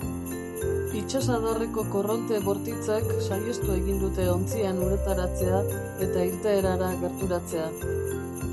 Itsasadarreko korronte bortitzek saihestu egin dute ontzien uretaratzea eta irteerara gerturatzea.